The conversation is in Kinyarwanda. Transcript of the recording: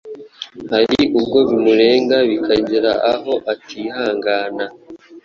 hari ubwo bimurenga bikagera aho atihangana